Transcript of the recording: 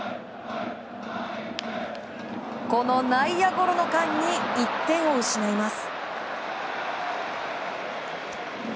この内野ゴロの間に１点を失います。